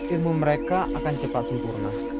ilmu mereka akan cepat sempurna